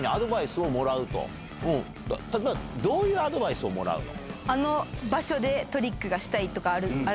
例えばどういうアドバイスをもらうの？